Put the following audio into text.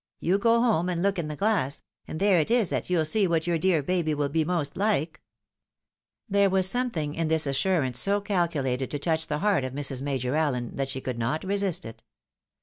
You go home, and look in the glass, and there it is that you'U see what your dear baby wiU. be most Uke." 8 THE WIDOW MARRIED. There was sometHng in this assurance so calculated to touch the heart of Mrs. Major Allen, that she could not resist it.